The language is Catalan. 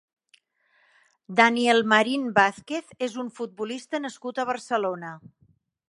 Daniel Marín Vázquez és un futbolista nascut a Barcelona.